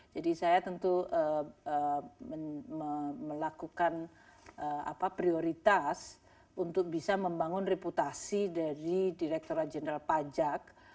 saya tentu melakukan prioritas untuk bisa membangun reputasi dari direkturat jenderal pajak